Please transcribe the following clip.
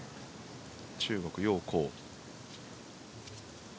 中国、ヨウ・コウ。